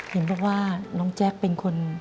เห็นบอกว่าน้องแจ๊คเป็นคน